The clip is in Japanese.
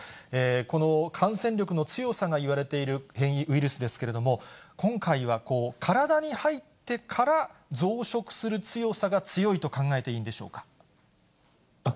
この感染力の強さがいわれている変異ウイルスですけれども、今回は体に入ってから増殖する強さが強いと考えていいんでしょうか。